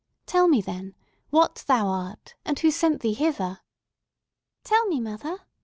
"Tell me, then, what thou art, and who sent thee hither?" "Tell me, mother!"